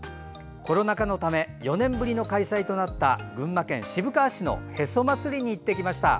コロナ禍のため４年ぶりの開催となった群馬県渋川市のへそ祭りに行ってきました。